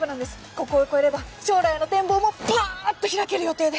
ここを越えれば将来の展望もパっと開ける予定で。